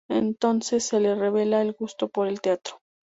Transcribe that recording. Entonces se le revela el gusto por el teatro.